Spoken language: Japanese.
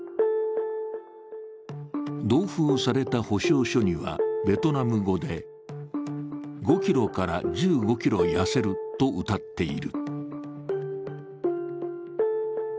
同封された保証書にはベトナム語で、５ｋｇから１５ｋｇ痩せるとうたっている。